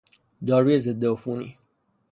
داروی ضد عفونی